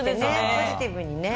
ポジティブにね。